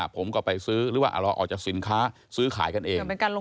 ผมก็ไปซื้อหรือว่ารอออกจากสินค้าซื้อขายกันเอง